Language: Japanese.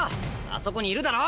あそこにいるだろ！